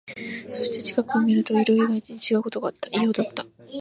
そして、近くで見ると、色以外も違うことがわかった。異様だった。